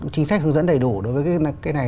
chính sách hướng dẫn đầy đủ đối với cái này